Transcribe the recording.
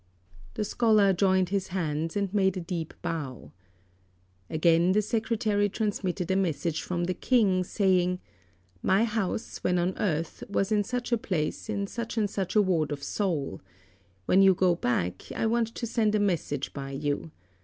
The scholar joined his hands and made a deep bow. Again the secretary transmitted a message from the King, saying, "My house, when on earth, was in such a place in such and such a ward of Seoul. When you go back I want to send a message by you.